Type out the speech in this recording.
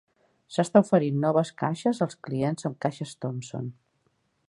S'està oferint noves caixes als clients amb caixes Thomson.